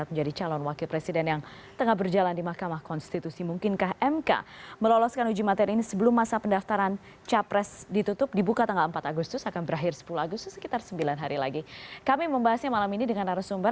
pertama kali saya membahasnya malam ini dengan arus sumber